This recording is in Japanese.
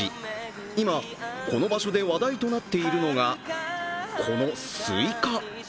今、この場所で話題となっているのがこのスイカ。